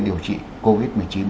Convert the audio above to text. điều trị covid một mươi chín